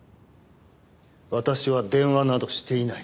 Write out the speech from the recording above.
私は電話などしていない。